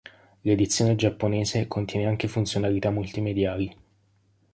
L'edizione giapponese contiene anche funzionalità multimediali.